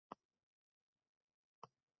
Va yoʻlida davom etardi.